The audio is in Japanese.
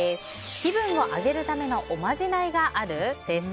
気分を上げるためのおまじないがある？です。